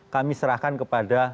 kami serahkan kepada